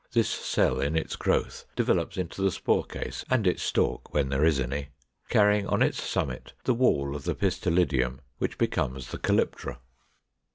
This cell in its growth develops into the spore case and its stalk (when there is any), carrying on its summit the wall of the pistillidium, which becomes the calyptra.